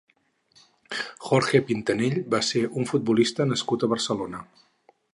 Jorge Pintanell va ser un futbolista nascut a Barcelona.